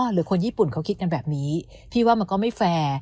หรือคนญี่ปุ่นเขาคิดกันแบบนี้พี่ว่ามันก็ไม่แฟร์